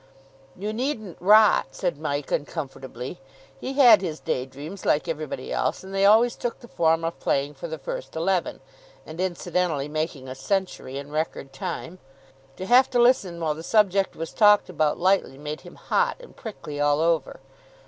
"You needn't rot," said Mike uncomfortably. He had his day dreams, like everybody else, and they always took the form of playing for the first eleven (and, incidentally, making a century in record time). To have to listen while the subject was talked about lightly made him hot and prickly all over.